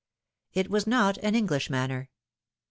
It was not an English manner.